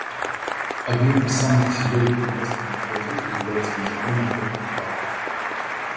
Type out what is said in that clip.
Одним из самых серьезных препятствий на пути развития является незаконный отток капитала.